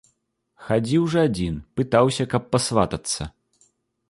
Хадзіў жа адзін, пытаўся, каб пасватацца.